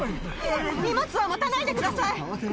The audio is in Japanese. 荷物は持たないでください！